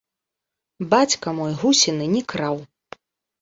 Бацька мой гусіны не краў.